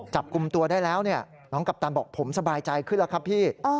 จับกลุ่มตัวได้แล้วน้องกัปตันบอกผมสบายใจขึ้นแล้วครับพี่